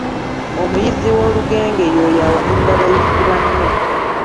Omuyizzi w’olugenge y’oyo awanirira bayizzi banne.